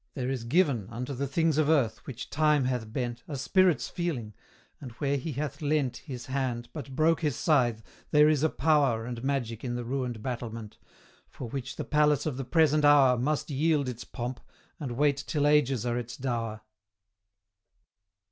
There is given Unto the things of earth, which Time hath bent, A spirit's feeling, and where he hath leant His hand, but broke his scythe, there is a power And magic in the ruined battlement, For which the palace of the present hour Must yield its pomp, and wait till ages are its dower.